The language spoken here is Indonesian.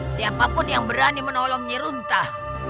siapapun yang berani menolong nyiruntah